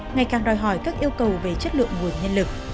ngày càng đòi hỏi các yêu cầu về chất lượng nguồn nhân lực